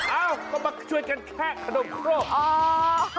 เอ้ามาช่วยกันแค่ขนมทรก